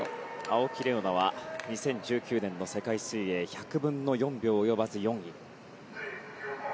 青木玲緒樹は２０１９年の世界水泳で１００分の４秒及ばず４位。